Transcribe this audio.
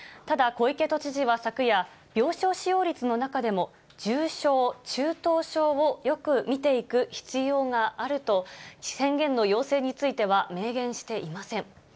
ただ、小池都知事は昨夜、病床使用率の中でも重症、中等症をよく見ていく必要があると、宣言の要請については明言していません。